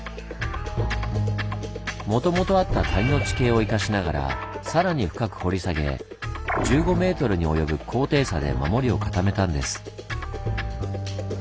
もともとあった谷の地形を生かしながら更に深く掘り下げ１５メートルに及ぶ高低差で守りを固めたんです。